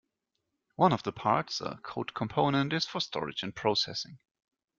One of the parts, a code component, is for storage and processing.